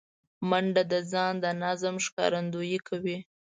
منډه د ځان د نظم ښکارندویي کوي